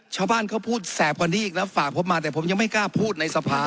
ชาวบ้านเขาพูดแสบกว่านี้อีกแล้วฝากผมมาแต่ผมยังไม่กล้าพูดในสภา